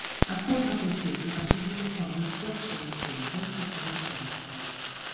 Attorno a quest'ultima si sviluppò nel corso del tempo il piccolo centro.